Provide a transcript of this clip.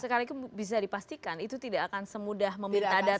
sekalian itu bisa dipastikan itu tidak akan semudah meminta data dari